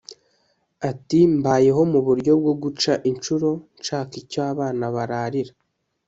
Ati “mbayeho mu buryo bwo guca inshuro nshaka icyo abana bararira